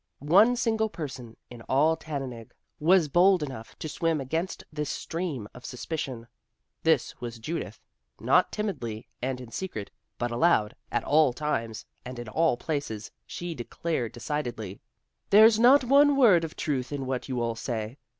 One single person in all Tannenegg was bold enough to swim against this stream of suspicion. This was Judith. Not timidly and in secret, but aloud, at all times and in all places, she declared decidedly, "There's not one word of truth in what you all say.